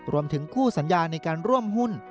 รวมถึงคู่สัญญาในการร่วมหุ้น